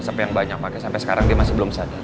asap yang banyak pake sampe sekarang dia masih belum sadar